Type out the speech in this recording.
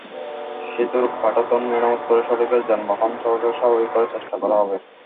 সেতুর পাটাতন মেরামত করে সড়কের যানবাহন চলাচল স্বাভাবিক করার চেষ্টা করা হবে।